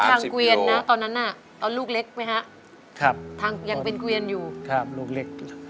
แล้วทางเกวียนตอนนั้นเอาลูกเล็กไหมฮะทางยังเป็นเกวียนอยู่ลูกเล็ก